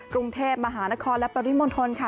กรุงเทพมหานครและปริมณฑลค่ะ